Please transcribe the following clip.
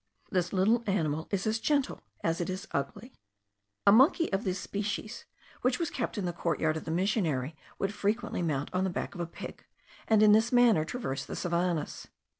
This little animal is as gentle as it is ugly. A monkey of this species, which was kept in the courtyard of the missionary, would frequently mount on the back of a pig, and in this manner traverse the savannahs.